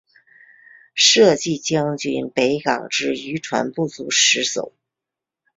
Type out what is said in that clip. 设籍将军北港之渔船不足十艘。